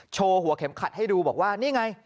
โชว์หัวเข็มขัดให้ดูบอกว่านี่ไง